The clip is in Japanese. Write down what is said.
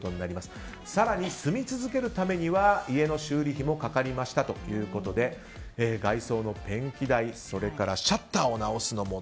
更に、住み続けるためには家の修理費もかかりましたということで外装のペンキ代それからシャッターを直すのも。